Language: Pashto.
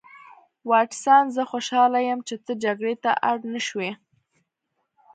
واټسن زه خوشحاله یم چې ته جګړې ته اړ نشوې